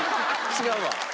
違うわ。